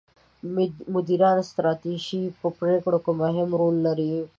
مدیران د ستراتیژۍ په پرېکړو کې مهم رول لري.